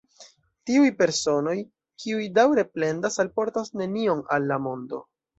Tiuj personoj, kiuj daŭre plendas, alportas nenion al la mondo.